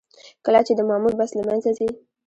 کله چې د مامور بست له منځه ځي.